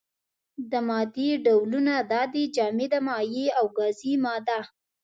د مادې ډولونه دا دي: جامده، مايع او گازي ماده.